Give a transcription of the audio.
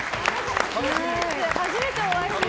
初めてお会いする。